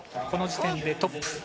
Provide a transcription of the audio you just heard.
この時点でトップ。